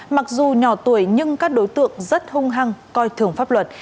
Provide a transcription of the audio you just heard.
mặc dù nhỏ tuổi nhưng các đối tượng rất hung hăng coi thường pháp luật